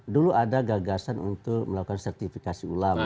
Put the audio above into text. dulu ada gagasan untuk melakukan sertifikasi ulama